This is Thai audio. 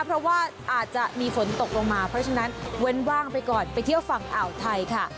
เพราะว่าอาจจะมีฝนตกลงมาเพราะฉะนั้นเว้นว่างไปก่อนไปเที่ยวฝั่งอ่าวไทยค่ะ